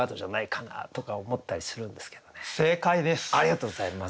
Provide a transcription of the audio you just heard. ありがとうございます。